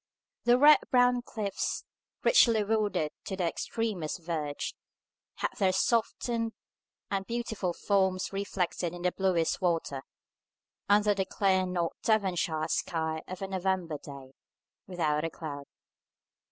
The red brown cliffs, richly wooded to their extremest verge, had their softened and beautiful forms reflected in the bluest water, under the clear North Devonshire sky of a November day without a cloud.